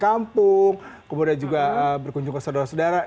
kampung kemudian juga berkunjung ke saudara saudara